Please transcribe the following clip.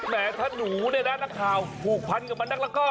แหมถ้าหนูเนี่ยนะนักข่าวผูกพันกับมันนักแล้วก็